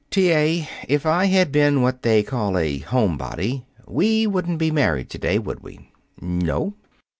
"T. A., if I had been what they call a homebody, we wouldn't be married to day, would we?" "No."